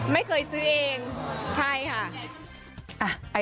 ไม่เคยซื้อเองใช่ค่ะ